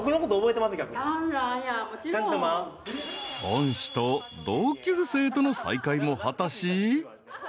［恩師と同級生との再会も果たし］